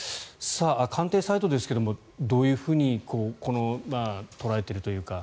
官邸サイドですがどういうふうに捉えているというか。